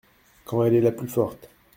Quand elle est la plus forte.